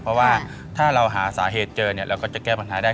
เพราะว่าถ้าเราหาสาเหตุเจอเนี่ยเราก็จะแก้ปัญหาได้